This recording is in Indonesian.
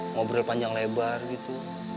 ngobrol panjang lebar gitu